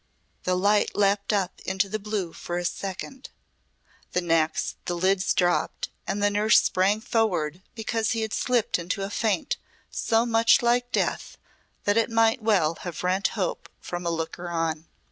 The light leaped up into the blue for a second. The next the lids dropped and the nurse sprang forward because he had slipped into a faint so much like death that it might well have rent hope from a looker on.